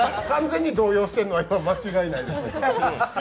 完全に動揺しているのは間違いないです。